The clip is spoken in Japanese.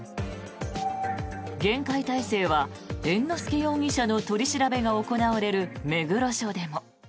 厳戒態勢は猿之助容疑者の取り調べが行われる目黒署でも。